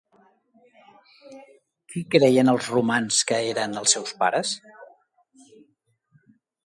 Qui creien els romans que eren els seus pares?